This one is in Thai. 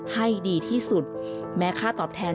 ให้ดีที่สุดแม้ค่าตอบแทน